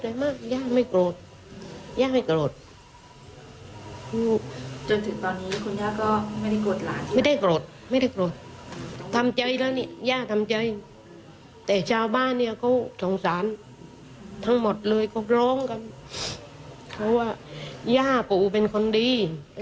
เพราะว่ายาแย่กูเป็นคนดี